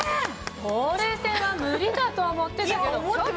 ほうれい線は無理かと思ってたけど。